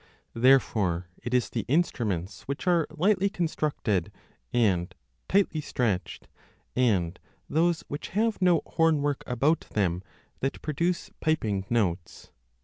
Therefore it is the instruments which are lightly constructed and tightly stretched, and those which have no horn work about them, 30 that produce piping notes.